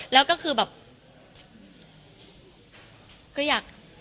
แล้วตัวตัวเองคิดว่า